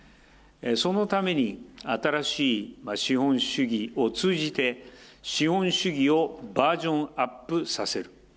そのために新しい資本主義を通じて、資本主義をバージョンアップさせる。